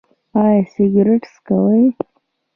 ایا سګرټ څکوئ؟